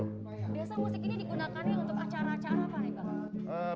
biasa musik ini digunakannya untuk acara acara apa nih bang